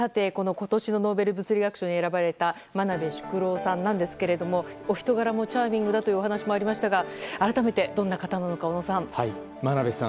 今年のノーベル物理学賞に選ばれた真鍋淑郎さんなんですがお人柄もチャーミングだというお話もありましたが真鍋さん